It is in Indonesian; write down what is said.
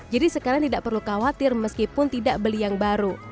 jadi sekarang tidak perlu khawatir meskipun tidak beli yang baru